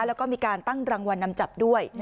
แล้วก็มีการตั้งรางวัลนำจับด้วย